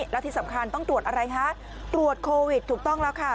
แล้วที่สำคัญต้องตรวจอะไรฮะตรวจโควิดถูกต้องแล้วค่ะ